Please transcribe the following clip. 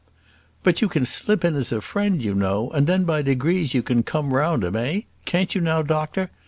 "But you can slip in as a friend, you know; and then by degrees you can come round him, eh? can't you now, doctor?